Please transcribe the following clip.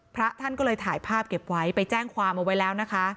พระท่านก็เลยถ่ายภาพเก็บไว้ไปแจ้งความเอาไว้แล้วนะคะ